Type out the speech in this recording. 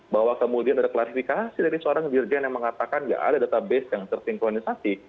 bahwa kemudian ada klarifikasi dari seorang dirjen yang mengatakan gak ada database yang tersinkronisasi